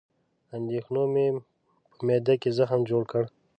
اندېښنو مې په معده کې زخم جوړ کړ